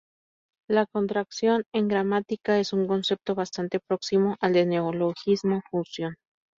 La contracción en gramática es un concepto bastante próximo al de neologismo-fusión.